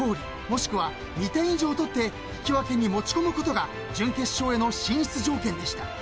もしくは２点以上取って引き分けに持ち込むことが準決勝への進出条件でした。